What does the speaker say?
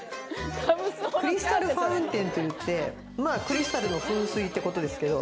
クリスタルファウンテンと言ってまぁクリスタルの噴水ってことですけど。